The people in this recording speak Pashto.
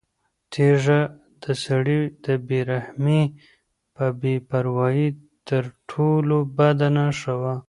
تیږه د سړي د بې رحمۍ او بې پروایۍ تر ټولو بده نښه وه.